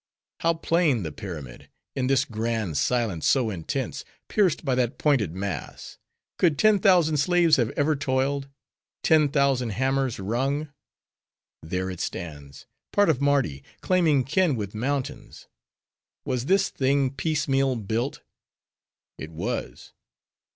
—How plain the pyramid! In this grand silence, so intense, pierced by that pointed mass,—could ten thousand slaves have ever toiled? ten thousand hammers rung?—There it stands, —part of Mardi: claiming kin with mountains;—was this thing piecemeal built?—It was.